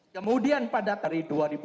kemudian pada hari dua ribu delapan belas